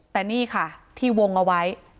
แต่นี่ค่ะที่วงเอาไว้